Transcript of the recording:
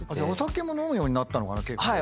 お酒も飲むようになったのかな？